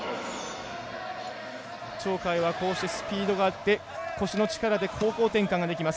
鳥海は、スピードがあって腰の力で方向転換ができます。